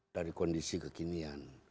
dari kondisi kekinian